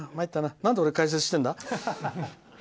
なんで俺、解説してるんだ？